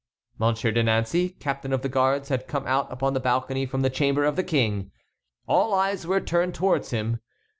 Monsieur de Nancey, captain of the guards, had come out upon the balcony from the chamber of the King. All eyes were turned towards him.